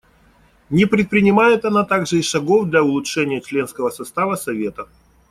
Не предпринимает она также и шагов для улучшения членского состава Совета.